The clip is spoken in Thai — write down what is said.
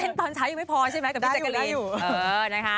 เต้นตอนเช้าอยู่ไม่พอใช่ไหมกับพี่จักรีน